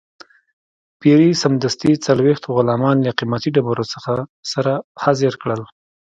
پیري سمدستي څلوېښت غلامان له قیمتي ډبرو سره حاضر کړل.